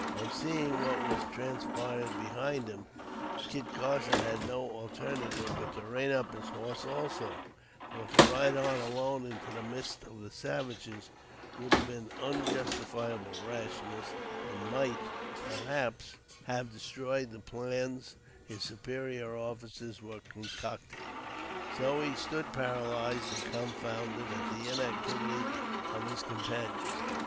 On seeing what was transpiring behind him, Kit Carson had no alternative but to rein up his horse also; for, to ride on alone into the midst of the savages, would have been unjustifiable rashness, and might, perhaps, have destroyed the plans his superior officers were concocting. So, he stood paralyzed and confounded at the inactivity of his companions.